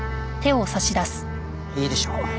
いいでしょう。